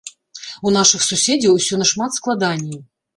У нашых суседзяў усё нашмат складаней.